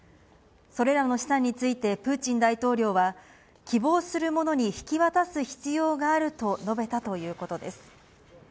それらの資産について、プーチン大統領は、希望する者に引き渡す必要があると述べたということです。